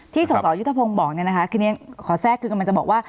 ที่ส่วนยุทธพงศ์บอกเนี่ยนะคะคือเนี่ยขอแทรกคือกันมาจะบอกว่า